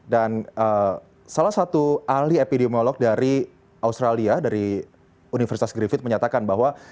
dan salah satu ahli epidemiolog dari australia dari universitas griffith menyatakan bahwa